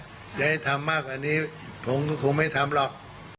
จะให้ทำมากกว่านี้ผมก็คงไม่ทำหรอก